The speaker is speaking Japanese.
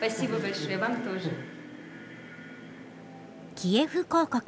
キエフ公国